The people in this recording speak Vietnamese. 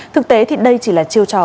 thực tế thì đây chỉ là chiêu trò